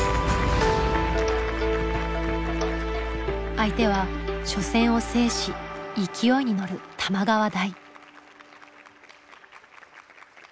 相手は初戦を制し勢いに乗る玉川大。